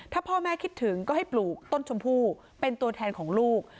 ถ้าพ่อแม่คิดถึงก็ให้ปลูกต้นชมพู่เป็นตัวแทนของลูก